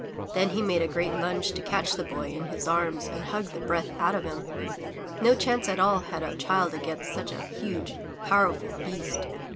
Then he made a great lunge to catch the Boy in his arms and hug the breath out of him. No chance at all had a child against such a huge, powerful beast.